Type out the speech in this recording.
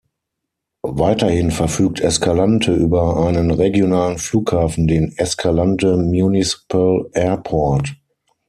Weiterhin verfügt Escalante über einen regionalen Flughafen, den Escalante Municipal Airport.